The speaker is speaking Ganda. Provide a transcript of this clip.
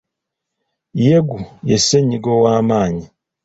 Yegu ye ssennyiga ow'amaanyi.